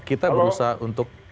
kita berusaha untuk